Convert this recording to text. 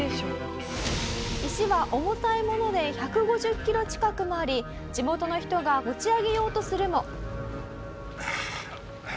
石は重たいもので１５０キロ近くもあり地元の人が持ち上げようとするも。